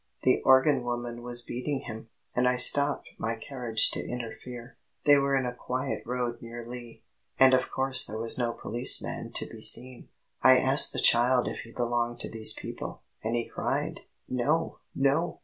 "The organ woman was beating him, and I stopped my carriage to interfere. They were in a quiet road near Lee, and of course there was no policeman to be seen. I asked the child if he belonged to these people, and he cried, 'No, no!'